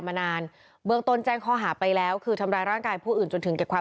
มีแบบลูกพยายามไปทำร้ายร่างกายมีไหมครับ